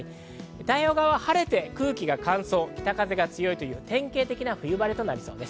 太平洋側は晴れて空気が乾燥、北風が強いということになりそうです。